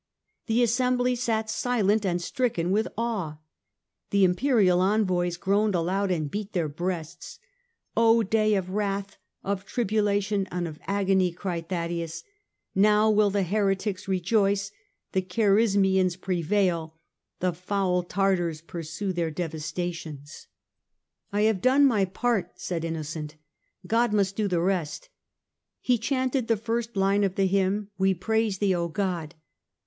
The assembly sat silent and stricken with awe. The Imperial envoys groaned aloud and beat their breasts. " Oh, day of wrath, of tribulation, and of agony !" cried Thaddaeus. " Now will the heretics rejoice, the Kharismians prevail, the foul Tartars pursue their devastations." " I have done my part," said Innocent. " God must do the rest." He chanted the first line of the hymn, " We praise thee, O God